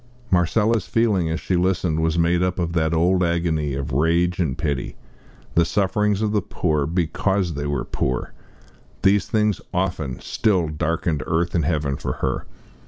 Marcella's feeling, as she listened, was made up of that old agony of rage and pity! The sufferings of the poor, because they were poor these things often, still, darkened earth and heaven for her.